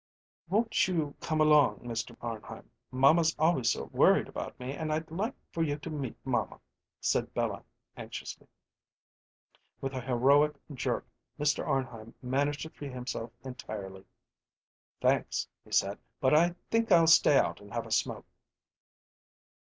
"Won't you come along, Mr. Arnheim? Mamma's always so worried about me; and I'd like for you to meet mamma," said Bella, anxiously. With a heroic jerk Mr. Arnheim managed to free himself entirely. "Thanks," he said; "but I think I'll stay out and have a smoke."